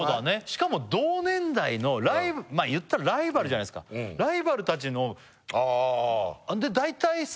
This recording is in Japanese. しかも同年代の言ったらライバルじゃないっすかライバルたちのああああで大体さ